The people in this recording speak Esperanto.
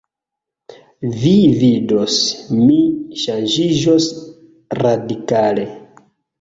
Vi vidos, mi ŝanĝiĝos radikale.